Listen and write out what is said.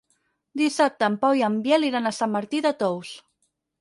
Dissabte en Pau i en Biel iran a Sant Martí de Tous.